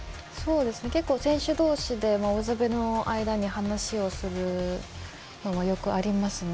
結構、選手同士でオブザベの間に話をするのはよくありますね。